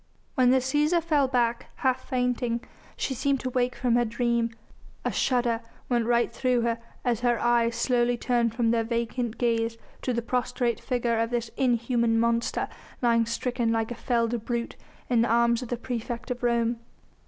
When the Cæsar fell back, half fainting, she seemed to wake from her dream, a shudder went right through her as her eyes slowly turned from their vacant gaze to the prostrate figure of this inhuman monster, lying stricken like a felled brute, in the arms of the praefect of Rome.